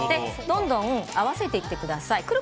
どんどん合わせていってください。